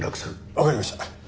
わかりました。